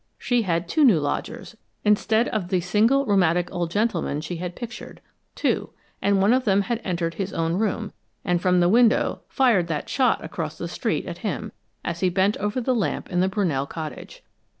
She had two new lodgers instead of the single rheumatic old gentleman she had pictured; two, and one of them had entered his own room, and from the window fired that shot across the street at him, as he bent over the lamp in the Brunell cottage.